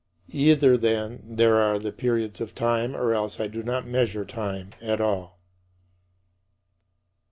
Either, then, these are the periods of time or else I do not measure time at all.